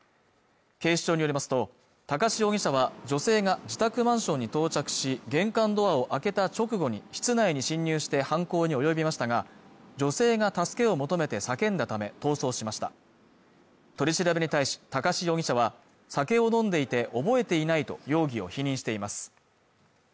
警視庁によりますと高師容疑者は女性が自宅マンションに到着し玄関ドアを開けた直後に室内に侵入して犯行に及びましたが女性が助けを求めて叫んだため逃走しました取り調べに対し高師容疑者は酒を飲んでいて覚えていないと容疑を否認しています